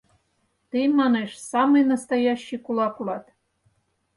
Тый, — манеш, — самый настоящий кулак улат!